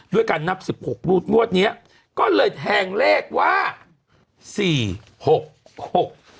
ด้วยการนับสิบหกลูกนวดเนี่ยก็เลยแห่งเลขว่าสี่หกหก